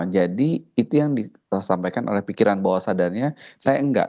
jadi itu yang disampaikan oleh pikiran bahwa sadarnya saya enggak